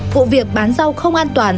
vụ việc bán rau không an toàn